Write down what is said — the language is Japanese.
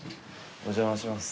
お邪魔します。